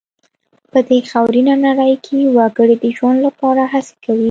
په دې خاورینه نړۍ کې وګړي د ژوند لپاره هڅې کوي.